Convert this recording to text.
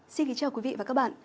xin kính chào quý vị và các bạn